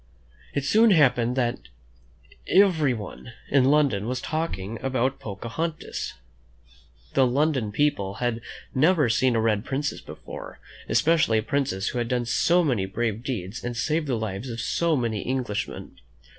It soon happened that everyone in London was talking about Pocahontas. The London people had never seen a red princess before, especially a princess who had done so many brave deeds, and saved the lives of so many Englishmen.